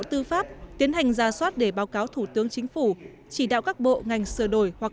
tư pháp tiến hành ra soát để báo cáo thủ tướng chính phủ chỉ đạo các bộ ngành sửa đổi hoặc